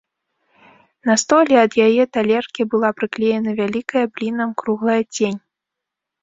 На столі ад яе талеркі была прыклеена вялікая, блінам, круглая цень.